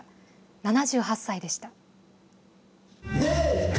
７８歳でした。